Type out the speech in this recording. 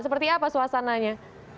seperti apa suasananya